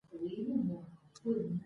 قانون د اداري کړنو د سمون وسیله ده.